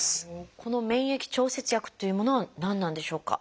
この「免疫調節薬」っていうものは何なんでしょうか？